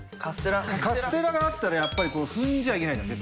カステラがあったらやっぱり踏んじゃいけないじゃん。